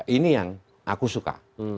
ini yang aku suka